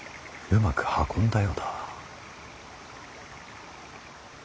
うまく運んだようだ。